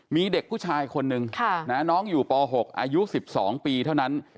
มีเด็กผู้ชายคนนึงน้องอยู่ป๖อายุ๑๒ปีเท่านั้น